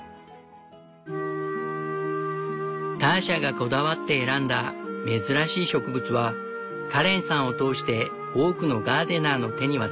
ターシャがこだわって選んだ珍しい植物はカレンさんを通して多くのガーデナーの手に渡った。